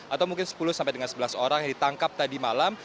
atau mungkin sepuluh sampai dengan sebelas orang yang ditangkap tadi malam